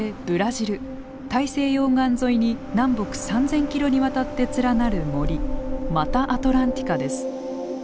大西洋岸沿いに南北３，０００キロにわたって連なる森マタアトランティカです。